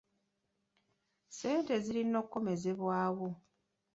Ssente zirina okukomezebwawo.